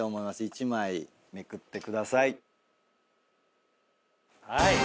１枚めくってください。